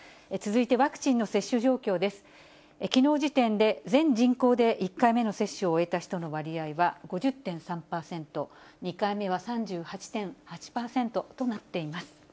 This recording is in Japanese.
きのう時点で全人口で１回目の接種を終えた人の割合は５０．３％、２回目は３８．８％となっています。